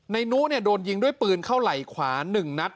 นุโดนยิงด้วยปืนเข้าไหล่ขวา๑นัด